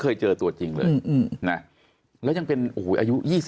เพราะอาชญากรเขาต้องปล่อยเงิน